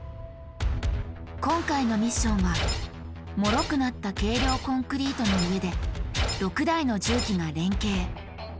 今回のミッションはもろくなった軽量コンクリートの上で６台の重機が連携。